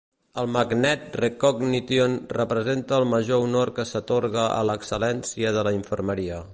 El Magnet Recognition representa el major honor que s'atorga a l'excel·lència de la infermeria.